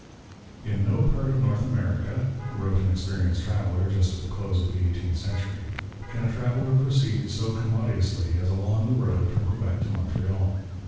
'In no part of North America,' wrote an experienced traveller just at the close of the eighteenth century, 'can a traveller proceed so commodiously as along the road from Quebec to Montreal.'